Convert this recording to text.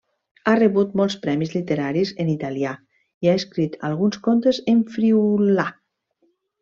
Ha rebut molts premis literaris en italià i ha escrit alguns contes en friülà.